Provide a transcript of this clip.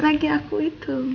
lagi aku itu